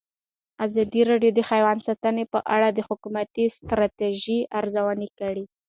ازادي راډیو د حیوان ساتنه په اړه د حکومتي ستراتیژۍ ارزونه کړې.